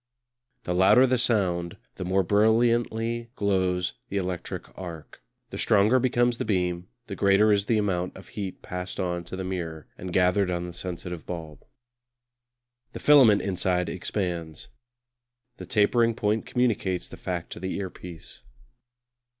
The louder the sound the more brilliantly glows the electric arc; the stronger becomes the beam, the greater is the amount of heat passed on to the mirror and gathered on the sensitive bulb. The filament inside expands. The tapering point communicates the fact to the earpiece.